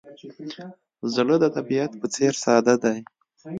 زړه د طبیعت په څېر ساده دی.